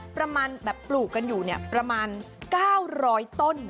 ปลูกกันอยู่ประมาณ๙๐๐ต้น